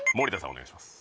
お願いします